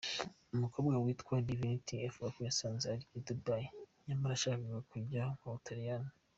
Umukobwa witwa Divinity avuga ko yisanze ari i Dubai nyamara yashakaga kujya mu Butaliyani.